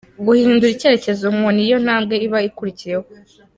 Guhindura icyerekezo ngo ni yo ntambwe iba ikurikiyeho.